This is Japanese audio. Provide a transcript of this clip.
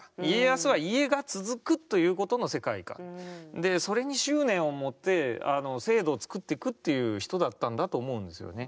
でそれに執念を持ってあの制度を作っていくっていう人だったんだと思うんですよね。